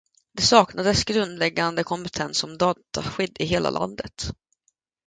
Det saknas grundläggande kompetens om dataskydd i hela landet.